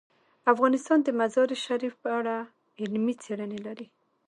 افغانستان د مزارشریف په اړه علمي څېړنې لري.